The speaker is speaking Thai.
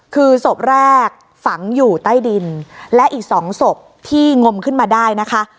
คือศพแรกฝังอยู่ใต้ดินและอีกสองศพที่งมขึ้นมาได้นะคะ